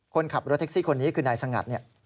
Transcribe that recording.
คนขับรถแท็กซี่คนนี้คือนายสงัดเนี่ย